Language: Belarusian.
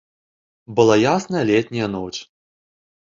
Была ясная летняя ноч.